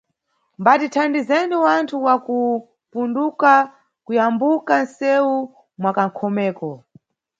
Mbatithandizeni wanthu wakupunduka kuyambuka nʼsewu mwanʼkhomeko.